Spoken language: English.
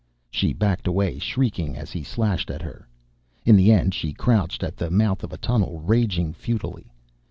She backed away, shrieking as he slashed at her. In the end, she crouched at the mouth of a tunnel, raging futilely.